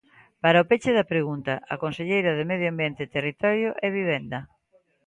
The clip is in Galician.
Para o peche da pregunta, a conselleira de Medio Ambiente, Territorio e Vivenda.